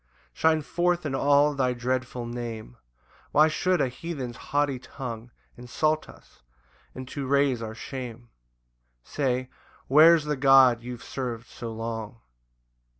2 Shine forth in all thy dreadful Name; Why should a heathen's haughty tongue Insult us, and to raise our shame Say, "Where's the God you've serv'd so long?"